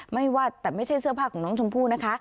ว่าแต่ไม่ใช่เสื้อผ้าของน้องชมพู่นะคะ